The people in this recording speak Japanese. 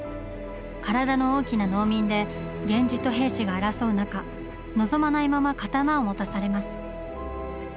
体の大きな農民で源氏と平氏が争う中望まないまま刀を持たされます。